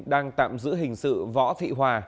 đang tạm giữ hình sự võ thị hòa